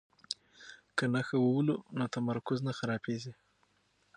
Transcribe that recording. که نښه وولو نو تمرکز نه خرابیږي.